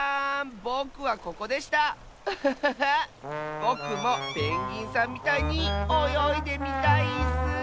ぼくもペンギンさんみたいにおよいでみたいッス。